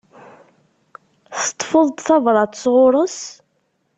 Teṭṭfeḍ-d tabrat sɣur-s?